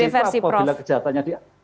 diversi itu apabila kejahatannya di